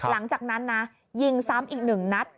หลังจากนั้นนะยิงซ้ำอีก๑นัด